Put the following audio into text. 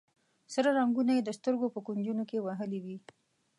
سره رنګونه یې د سترګو په کونجونو کې وهلي وي.